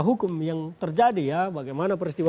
hukum yang terjadi ya bagaimana peristiwa